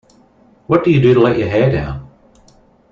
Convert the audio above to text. What do you do to let your hair down?